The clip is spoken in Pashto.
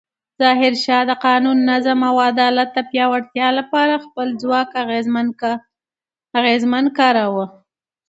ظاهرشاه د قانون، نظم او عدالت د پیاوړتیا لپاره خپل ځواک اغېزمن کاراوه.